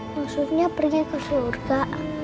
maksudnya pergi ke surga